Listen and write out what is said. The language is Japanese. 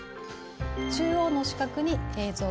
中央の四角に映像。